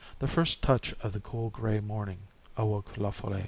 The first touch of the cool gray morning awoke La Folle.